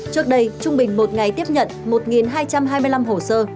trước đây trung bình một ngày tiếp nhận một hai trăm hai mươi năm hồ sơ